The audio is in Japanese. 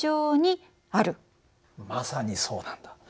まさにそうなんだ。